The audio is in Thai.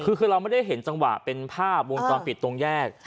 คือเราไม่ได้เห็นจังหวะเป็นภาพวงจรปิดตรงแยก